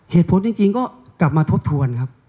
เหตุผลจริงก็กลับมาทบทวนครับ